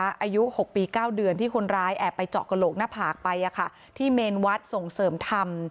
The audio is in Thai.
อายุ๖ปี๙เดือนที่คนร้ายแอบไปเจาะกระโหลกหน้าผากไปที่เมนวัดส่งเสริมธรรม